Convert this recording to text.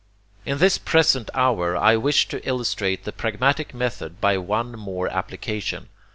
In this present hour I wish to illustrate the pragmatic method by one more application.